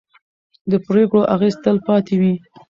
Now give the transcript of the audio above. د پرېکړو اغېز تل پاتې وي